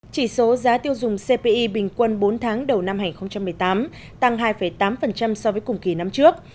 chỉ số giá tiêu dùng cpi bình quân bốn tháng đầu năm hai nghìn một mươi tám tăng hai tám so với cùng kỳ năm trước